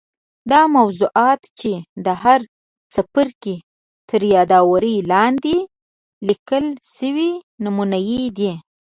دا موضوعات چې د هر څپرکي تر یادوري لاندي لیکل سوي نمونې دي.